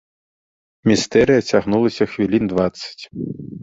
Містэрыя цягнулася хвілін дваццаць.